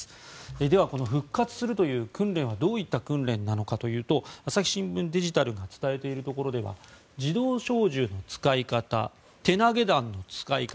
では、この復活するという訓練はどういった訓練なのかというと朝日新聞デジタルが伝えているところでは自動小銃の使い方手投げ弾の使い方